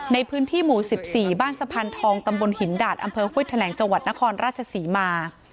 ในพื้นที่หมู่๑๔บ้านสะพานทองตำบลหินดาดอำเภอห้วยแถลงจังหวัดนครราชศรีมา